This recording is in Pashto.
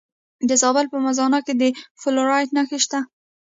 د زابل په میزانه کې د فلورایټ نښې شته.